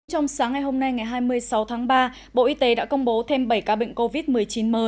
trong sáng ngày hôm nay ngày hai mươi sáu tháng ba bộ y tế đã công bố thêm bảy ca bệnh covid một mươi chín mới